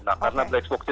nah karena black spock nya